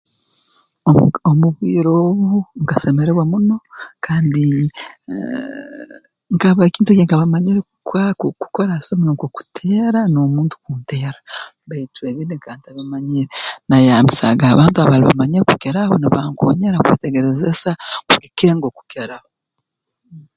Omuk omu bwire obu nkasemererwa muno kandi aah nkaba ekintu eki nkaba mmanyire kukora ku ku kukora ha simu nukwo kuteera n'omuntu kunterra baitu ebindi nkaba ntabimanyire nayeyambisaaga abantu abali bamanyire kukiraho nibankoonyera kwetegerezesa kugikenga okukiraho